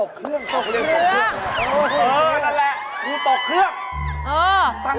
เขาเรียกตกเครื่อง